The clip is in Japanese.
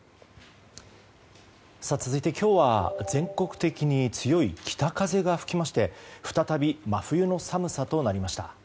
続いて、今日は全国的に強い北風が吹きまして再び真冬の寒さとなりました。